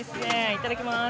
いただきます